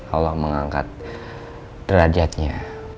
allah mengangkat derajatnya